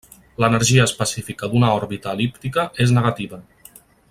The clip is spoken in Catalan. L'energia específica d'una òrbita el·líptica és negativa.